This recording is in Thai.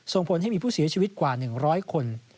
ส่งผลให้มีผู้เสียชีวิตกว่า๑๐๐คน